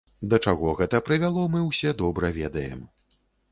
Да чаго гэта прывяло, мы ўсе добра ведаем.